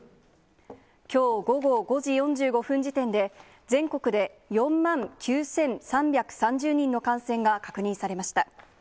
きょう午後５時４５分時点で、全国で４万９３３０人の感染が確認されました。